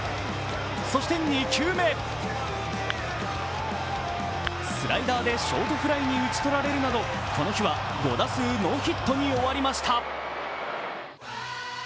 そして２球目スライダーでショートフライに打ち取られるなどこの日は５打数ノーヒットに終わりました。